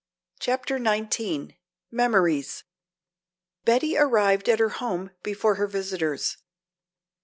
CHAPTER XIX Memories Betty arrived at her home before her visitors.